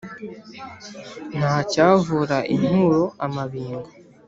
Ntacyavura inturo amabinga